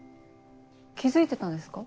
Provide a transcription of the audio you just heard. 気付いてたんですか？